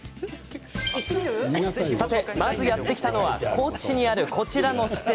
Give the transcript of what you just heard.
さて、まずやって来たのは高知市にある、こちらの施設。